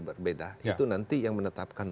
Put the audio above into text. berbeda itu nanti yang menetapkan